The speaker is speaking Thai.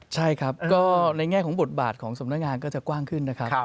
ใช่ครับก็ในแง่ของบทบาทของสำนักงานก็จะกว้างขึ้นนะครับ